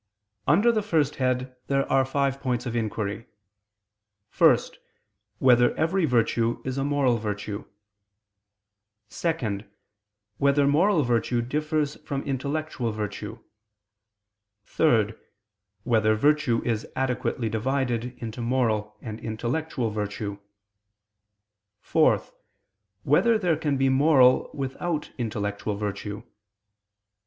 Under the first head there are five points of inquiry: (1) Whether every virtue is a moral virtue? (2) Whether moral virtue differs from intellectual virtue? (3) Whether virtue is adequately divided into moral and intellectual virtue? (4) Whether there can be moral without intellectual virtue?